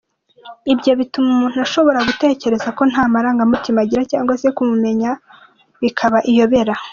Ibyo bituma umuntu ashobora gutekereza ko nta marangamutima agira cyangwa se kumumenya bikaba iyobera.